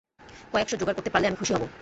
কয়েক-শো যোগাড় করতে পারলেই আমি খুশী হব।